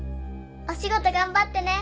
お仕事頑張ってね。